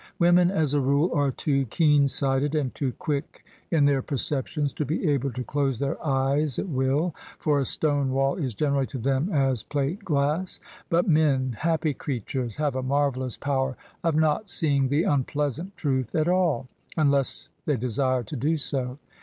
Women as a rule are too keen sighted and too quick in their perceptions to be able to close their eyes at will, for a stone wall is generally to them as plate glass: but men — Chappy creatures! — have a marvellous power of not seeing the unpleasant truth at all, imless th^r desire to do so.